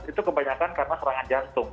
itu kebanyakan karena serangan jantung